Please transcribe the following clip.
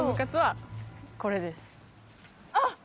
あっ！